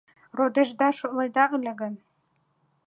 Родешда шотледа ыле гын